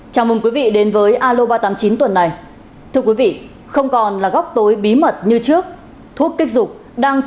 chào mừng quý vị đến với bộ phim thuốc kích dục